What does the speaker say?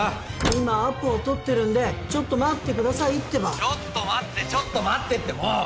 今アポを取ってるんでちょっと待ってくださいってばちょっと待ってちょっと待ってってもう！